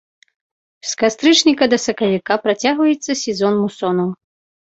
З кастрычніка да сакавіка працягваецца сезон мусонаў.